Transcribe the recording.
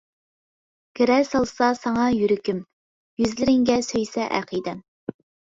گىرە سالسا ساڭا يۈرىكىم، يۈزلىرىڭگە سۆيسە ئەقىدەم.